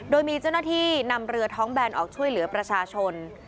โดยมีเจ้าหน้าที่นำเรือท้องแบนออกช่วยเหลือประชาชน